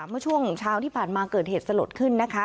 เมื่อช่วงเช้าที่ผ่านมาเกิดเหตุสลดขึ้นนะคะ